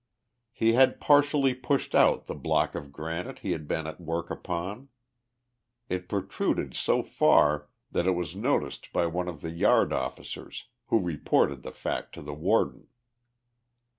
He had partially pushed out the block of granite he had been at work upon. It protruded so far that it was noticed by one of the yard officers, who reported the fact to the Warden.